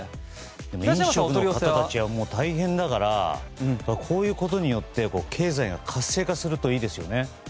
飲食の方たちは大変だからこういうことによって経済が活性化するといいですよね。